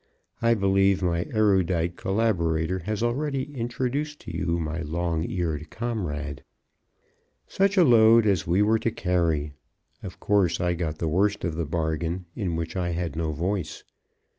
I believe my erudite collaborator has already introduced to you my long eared comrade. Such a load as we were to carry! Of course, I got the worst of the bargain in which I had no voice.